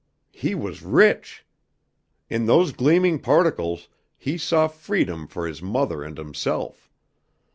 He was rich! In those gleaming particles he saw freedom for his mother and himself.